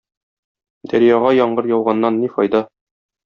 Дәрьяга яңгыр яуганнан ни файда.